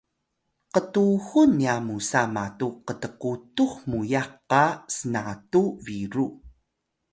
qtuxun nya musa matu qtqutux muyax qa snatu biru